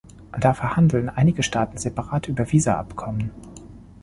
Da verhandeln einige Staaten separat über Visa-Abkommen.